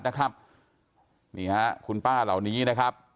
นี่ฮะคุณป้าเหล่านี้นะครับ